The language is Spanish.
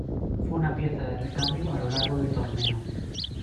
Fue una pieza de recambio a lo largo del torneo.